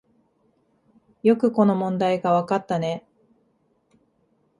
よくこの問題がわかったね